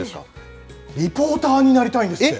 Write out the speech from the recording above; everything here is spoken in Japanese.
リポーターになりたいんですって。